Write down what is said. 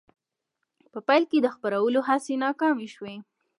په پیل کې د خپرولو هڅې ناکامې شوې.